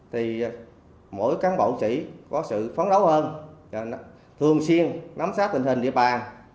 thì mỗi cán bộ trí có sự phóng đấu hơn thường xuyên nắm sát tình hình địa bàn